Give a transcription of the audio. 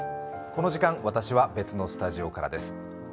この時間、私は別のスタジオからです。